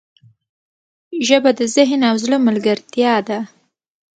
ژبه د ذهن او زړه ملګرتیا ده